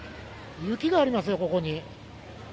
雪がありますよ、ここに。